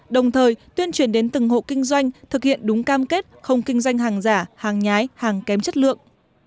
đồng thời tuyên truyền đến từng hộ kinh doanh thực hiện đúng cam kết không kinh doanh hàng giả hàng nhái hàng kém chất lượng